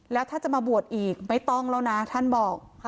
แล้วถ้าจะมาบวชอีกไม่ต้องแล้วนะท่านบอก